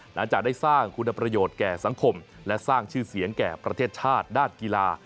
หลังจากได้สร้างคุณประโยชน์แก่สังคมและสร้างชื่อเสียงแก่ประเทศชาติด้านกีฬา